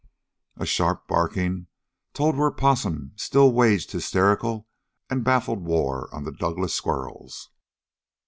A sharp barking told where Possum still waged hysterical and baffled war on the Douglass squirrels.